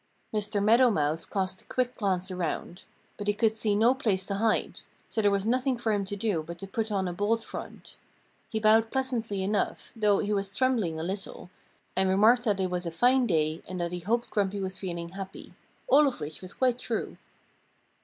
Mr. Meadow Mouse cast a quick glance around. But he could see no place to hide. So there was nothing for him to do but to put on a bold front. He bowed pleasantly enough, though he was trembling a little, and remarked that it was a fine day and that he hoped Grumpy was feeling happy all of which was quite true.